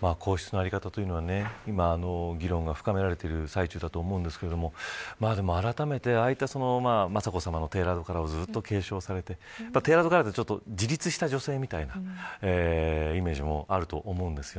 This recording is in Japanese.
皇室の在り方というのは今、議論が深められている最中ですがあらためて雅子さまのテーラードカラーを継承されてテーラードカラーは自立した女性というイメージもあると思うんです。